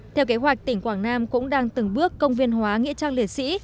theo kế hoạch tỉnh quảng nam cũng đang từng bước công viên hóa nghĩa trang liệt sĩ